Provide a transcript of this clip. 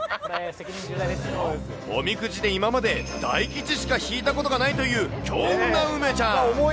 おみくじで今まで大吉しか引いたことがないという強運な梅ちゃん。